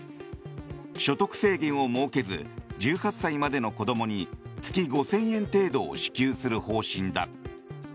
所得制限を設けず１８歳までの子どもに月５０００円程度を支給する方針だ。